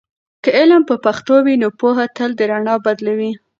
که علم په پښتو وي، نو پوهه تل د رڼا بدلوي.